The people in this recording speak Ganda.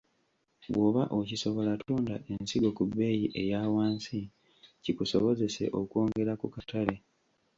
Bw’oba okisobola tunda ensigo ku bbeeyi eya wansi kikusobozese okwongera ku katale .